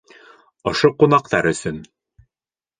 Ошо ҡунаҡтар өсөн.